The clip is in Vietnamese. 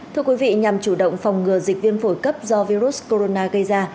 thưa quý vị nhằm chủ động phòng ngừa dịch viêm phổi cấp do virus corona gây ra